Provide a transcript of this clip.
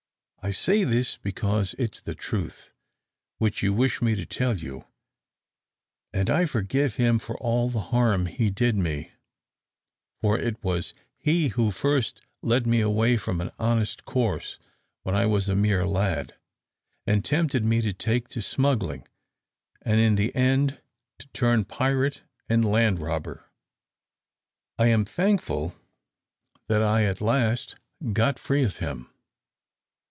I say this because it's the truth, which you wish me to tell you; and I forgive him for all the harm he did me, for it was he who first led me away from an honest course when I was a mere lad, and tempted me to take to smuggling, and in the end to turn pirate and land robber. I am thankful that I at last got free of him.